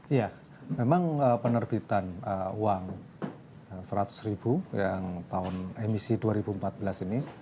iya memang penerbitan uang seratus ribu yang tahun emisi dua ribu empat belas ini